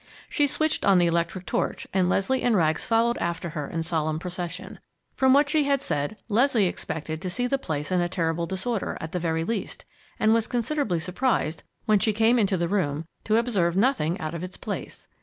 She switched on the electric torch, and Leslie and Rags followed after her in solemn procession. From what she had said, Leslie expected to see the place in a terrible disorder, at the very least, and was considerably surprised, when she came into the room, to observe nothing out of its place.